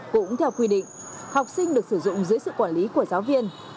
cũng theo quy định học sinh được sử dụng dưới sự quản lý của giáo viên